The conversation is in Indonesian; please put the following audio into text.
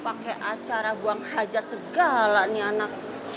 pakai acara buang hajat segala nih anak